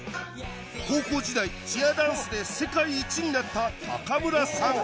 高校時代チアダンスで世界一になった高村さん